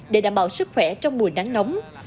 để đảm bảo sức khỏe trong mùa nắng nóng